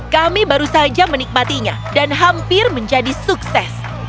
kami baru saja menikmatinya dan hampir menjadi sukses